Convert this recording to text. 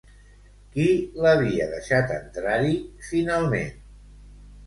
Qui l'havia deixat entrar-hi, finalment?